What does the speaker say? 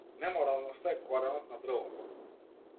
Неморалноста е коренот на дрвото.